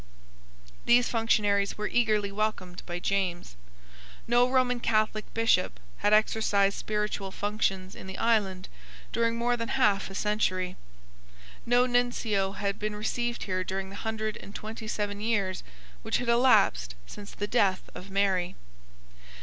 These functionaries were eagerly welcomed by James. No Roman Catholic Bishop had exercised spiritual functions in the island during more than half a century. No Nuncio had been received here during the hundred and twenty seven years which had elapsed since the death of Mary.